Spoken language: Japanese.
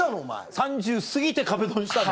３０すぎて壁ドンしたの？